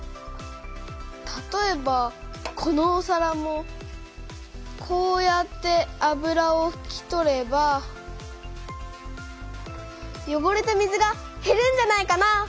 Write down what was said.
たとえばこのおさらもこうやって油をふき取ればよごれた水がへるんじゃないかな？